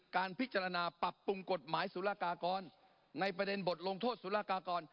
การพิจารณาปรับปรุงกฎหมายสุรกากรในประเด็นบทลงโทษสุรกากร